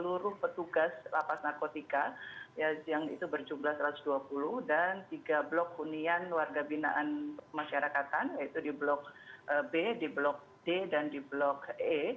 seluruh petugas lapas narkotika yang itu berjumlah satu ratus dua puluh dan tiga blok hunian warga binaan pemasyarakatan yaitu di blok b di blok d dan di blok e